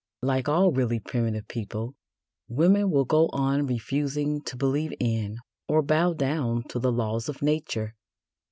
Like all really primitive people, women will go on refusing to believe in or bow down to the laws of Nature.